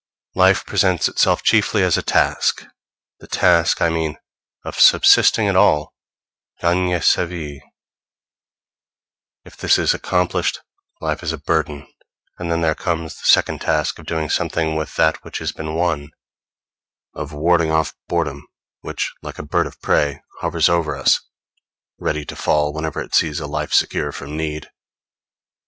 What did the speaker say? Life presents itself chiefly as a task the task, I mean, of subsisting at all, gagner sa vie. If this is accomplished, life is a burden, and then there comes the second task of doing something with that which has been won of warding off boredom, which, like a bird of prey, hovers over us, ready to fall wherever it sees a life secure from need.